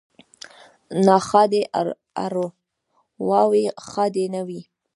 ـ ناښادې ارواوې ښادې نه وي.